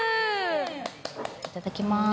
いただきます。